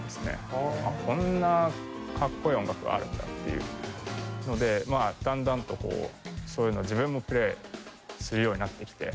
こんなかっこいい音楽があるんだっていうのでだんだんとこうそういうのを自分もプレーするようになってきて。